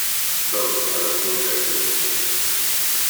Both have appealed their conviction.